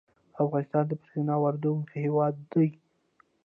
افغانستان د بریښنا واردونکی هیواد دی